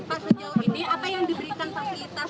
apa yang diberikan fasilitas yang diberikan oleh lion air